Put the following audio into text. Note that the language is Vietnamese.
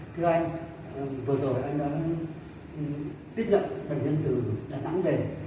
thưa anh vừa rồi anh đã tiếp nhận bệnh nhân từ đà nẵng về